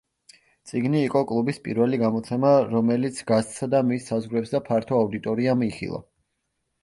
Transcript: წიგნი იყო კლუბის პირველი გამოცემა, რომელიც გასცდა მის საზღვრებს და ფართო აუდიტორიამ იხილა.